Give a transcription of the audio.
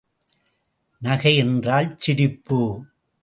நகை என்றால் சிரிப்பு.